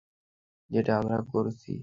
যেটা আমরা করেছি।